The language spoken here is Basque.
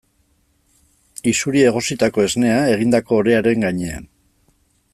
Isuri egositako esnea egindako orearen gainera.